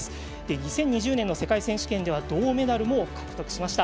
２０２０年の世界選手権では銅メダルも獲得しました。